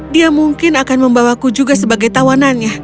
dia mungkin akan membawaku juga sebagai tawanannya